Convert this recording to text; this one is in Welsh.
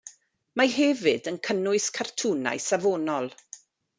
Mae hefyd yn cynnwys cartwnau safonol.